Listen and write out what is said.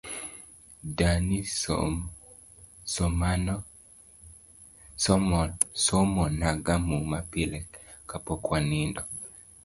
Dani somona ga muma pile kapok wanindo